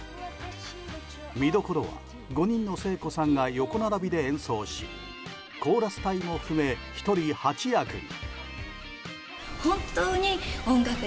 見どころは５人の聖子さんが横並びで演奏しコーラス隊も含め１人８役に。